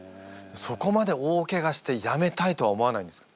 そこまで大ケガしてやめたいとは思わないんですか？